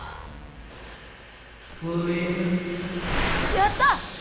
やった！